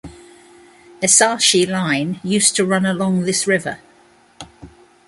Esashi Line used to run along this river.